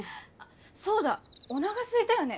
そうだおながすいたよね？